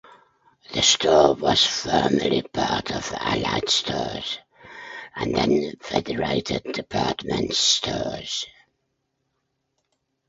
The store was formerly part of Allied Stores and then Federated Department Stores.